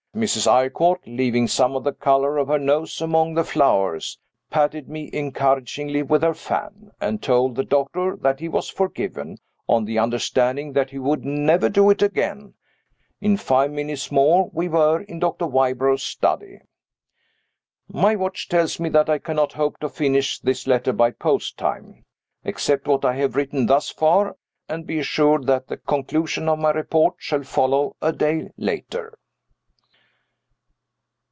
Mrs. Eyrecourt (leaving some of the color of her nose among the flowers) patted me encouragingly with her fan, and told the doctor that he was forgiven, on the understanding that he would "never do it again." In five minutes more we were in Dr. Wybrow's study. My watch tells me that I cannot hope to finish this letter by post time. Accept what I have written thus far and be assured that the conclusion of my report shall follow a day later.